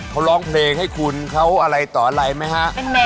เขาร้องเพลงให้คุณเขาอะไรต่ออะไรไหมฮะ